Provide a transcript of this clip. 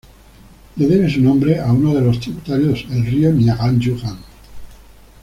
Le debe su nombre a uno de sus tributarios, el río Niagan-Yugan.